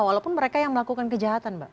walaupun mereka yang melakukan kejahatan mbak